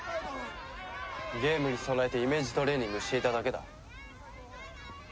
ゲームに備えてイメージトレーニングしていただけだ。